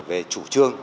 về chủ trương